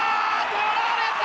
捕られた！